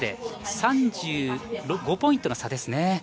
失礼、３５ポイントの差ですね。